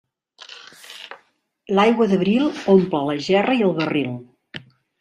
L'aigua d'abril omple la gerra i el barril.